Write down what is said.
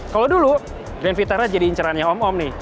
kalau dulu grand vitara jadi incerannya om om nih